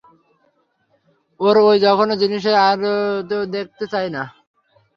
ওর ওই জঘন্য জিনিসটা আর দেখতে চাইনা।